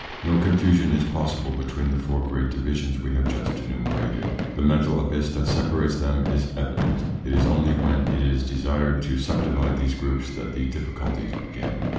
No confusion is possible between the four great divisions we have just enumerated. The mental abyss that separates them is evident. It is only when it is desired to subdivide these groups that the difficulties begin.